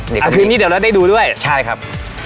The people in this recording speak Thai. เดี๋ยวคืนนี้เดี๋ยวเราได้ดูด้วยใช่ครับ